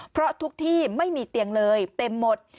เพราะทุกที่ไม่มีเตียงเลยเต็มหมด